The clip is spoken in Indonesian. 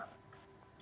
tidak bisa mencegah